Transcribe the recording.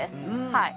はい。